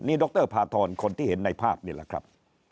นี่ดรพาทรคนที่เห็นในภาพนี่แหละครับ